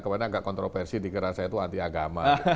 kemarin agak kontroversi dikira saya itu antiagama